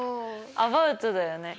アバウトだよね。